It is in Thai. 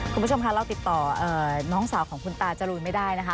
คุณผู้ชมค่ะเราติดต่อน้องสาวของคุณตาจรูนไม่ได้นะคะ